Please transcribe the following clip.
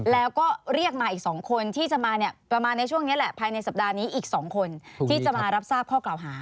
แล้วก็เรียกมาอีก๒คนที่จะมาเนี่ยประมาณในช่วงนี้แหละภายในสัปดาห์นี้อีก๒คนที่จะมารับทราบข้อกล่าวหา